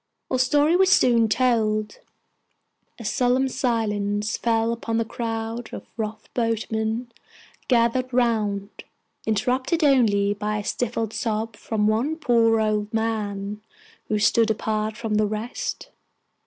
Our story was soon told. A solemn silence fell upon the crowd of rough boatmen gathered round, interrupted only by a stifled sob from one poor old man, who stood apart from the rest.